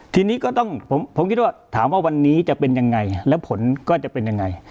ทีนี้ก็ต้องผมคิดว่าถามว่าวันนี้จะเป็นยังไงแล้วผลก็จะเป็นยังไง